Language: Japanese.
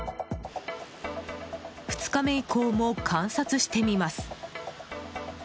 ２日目以降も観察してみます。